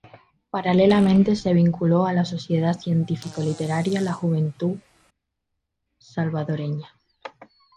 Paralelamente se vinculó a la Sociedad Científico -literaria "La Juventud Salvadoreña".